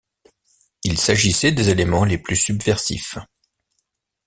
Il s'agissait des éléments les plus subversifs.